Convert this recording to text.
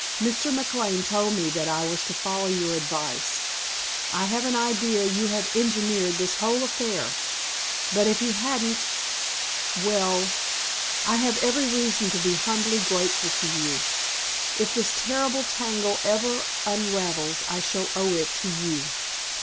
"Mr. McLane told me that I was to follow your advice I have an idea you have engineered this whole affair! But if he hadn't well, I have every reason to be humbly grateful to you. If this terrible tangle ever unravels I shall owe it to you."